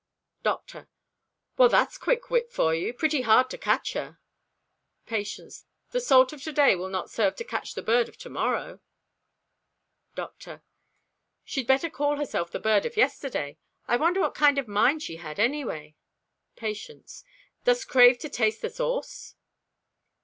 Doctor.—"Well, that's quick wit for you. Pretty hard to catch her." Patience.—"The salt of today will not serve to catch the bird of tomorrow." Doctor.—"She'd better call herself the bird of yesterday. I wonder what kind of a mind she had, anyway." Patience.—"Dost crave to taste the sauce?"